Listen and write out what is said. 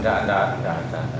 tidak tidak ada